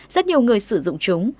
rất nhiều người sử dụng chúng